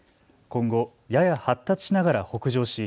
今後、やや発達しながら北上し